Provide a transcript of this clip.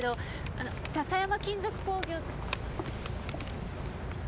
あの笹山金属工業って。